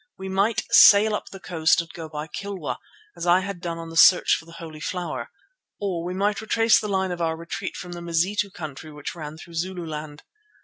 We might sail up the coast and go by Kilwa, as I had done on the search for the Holy Flower, or we might retrace the line of our retreat from the Mazitu country which ran through Zululand.